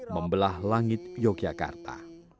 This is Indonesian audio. membelah langit yogyakarta